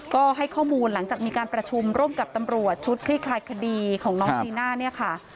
ก็ให้ข้อมูลหลังจากมีการประชุมร่วมร่วมกับตำรวจชุดพลิกลายคดีของน้องจีน่า